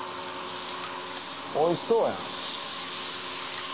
おいしそうやん。